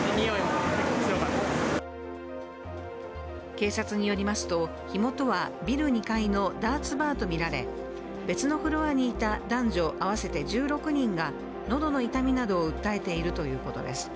警察によりますと、火元はビル２階のダーツバーとみられ、別のフロアにいた男女合わせて１６人が喉の痛みなどを訴えているということです。